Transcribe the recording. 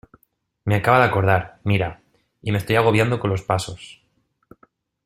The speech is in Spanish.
me acabo de acordar. mira, y me estoy agobiando con los pasos .